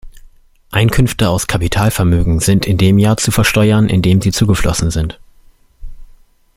Einkünfte aus Kapitalvermögen sind in dem Jahr zu versteuern, in dem sie zugeflossen sind.